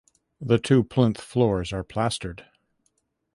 The two plinth floors are plastered.